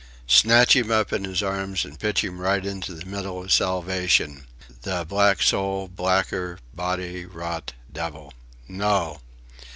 Snatch him up in his arms and pitch him right into the middle of salvation... The black soul blacker body rot Devil. No!